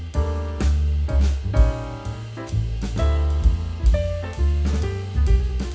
dari hari ini anggap tiga orang terselamat